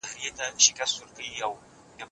هغه اوس په پوره اخلاص سره کار کوي.